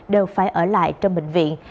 đều phải ở lại trong bệnh viện